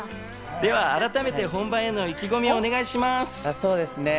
では改めて本番への意気込みをお願いします。